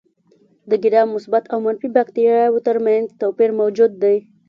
د ګرام مثبت او منفي باکتریاوو تر منځ توپیر موجود دی.